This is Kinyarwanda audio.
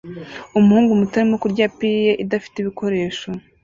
Umuhungu muto arimo kurya pie idafite ibikoresho